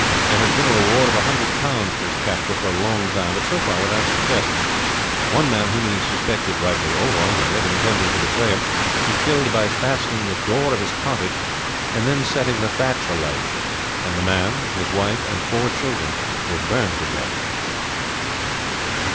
There has been a reward of a hundred pounds for his capture for a long time, but so far without success. One man, whom he suspected rightly or wrongly of intending to betray him, he killed by fastening the door of his cottage and then setting the thatch alight; and the man, his wife, and four children were burned to death."